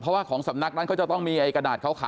เพราะว่าของสำนักนั้นก็จะต้องมีกระดาษขาวแปะ